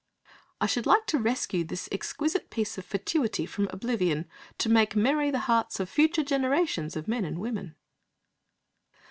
I should like to rescue this exquisite piece of fatuity from oblivion, to make merry the hearts of future generations of men and women.